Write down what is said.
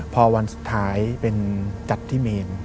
พอวันสุดท้ายเป็นจัดที่เมน